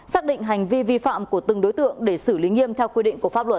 xác định hành vi vi phạm của từng đối tượng để xử lý nghiêm theo quy định của pháp luật